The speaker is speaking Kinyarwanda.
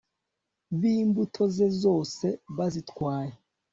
bimbuto ze zose bazitwaye